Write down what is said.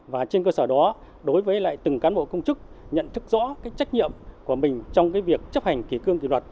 và trên cơ sở đó đối với lại từng cán bộ công chức nhận thức rõ cái trách nhiệm của mình trong việc chấp hành kỳ cương kỳ luật